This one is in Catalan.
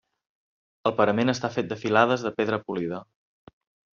El parament està fet de filades de pedra polida.